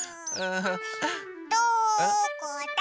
・どこだ？